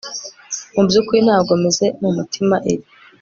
Mubyukuri ntabwo meze mumutima ibi